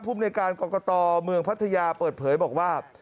ภูมิในการกรกตเมืองพัทยาเปิดเผยบอกว่า